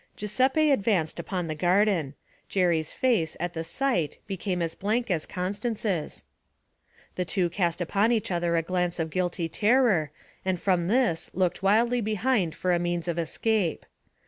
Giuseppe advanced upon the garden. Jerry's face, at the sight, became as blank as Constance's. The two cast upon each other a glance of guilty terror, and from this looked wildly behind for a means of escape.